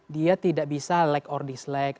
dia tidak bisa like or dislike